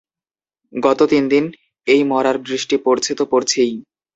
গত তিন দিন এই মরার বৃষ্টি পড়ছে তো পড়ছেই!